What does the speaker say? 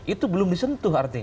itu belum disentuh artinya